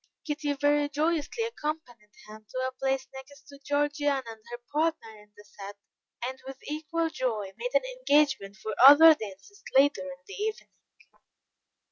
Kitty very joyously accompanied him to a place next to Georgiana and her partner in the set, and with equal joy made an engagement for other dances later in the evening.